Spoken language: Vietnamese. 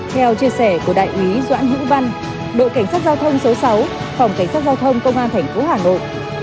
theo chia sẻ của đại úy doãn hữu văn đội cảnh sát giao thông số sáu phòng cảnh sát giao thông công an tp hà nội